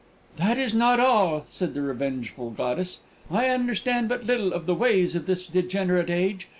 "That is not all," said the revengeful goddess. "I understand but little of the ways of this degenerate age.